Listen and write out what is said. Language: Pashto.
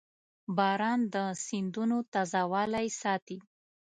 • باران د سیندونو تازهوالی ساتي.